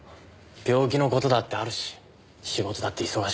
病気の事だってあるし仕事だって忙しくなる。